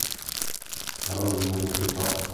Carolina rifiutò.